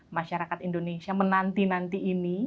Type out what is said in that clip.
masyarakat indonesia menanti nanti ini